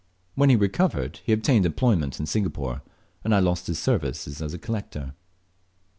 When he recovered he obtained employment in Singapore, and I lost his services as a collector.